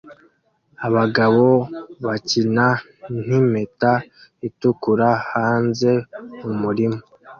Abagabo bakina nimpeta itukura hanze mumurima